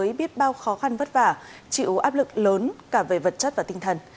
bác sĩ nhân viên y tế đã biết bao khó khăn vất vả chịu áp lực lớn cả về vật chất và tinh thần